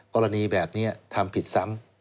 กรณีแบบนี้ทำผิดซ้ำ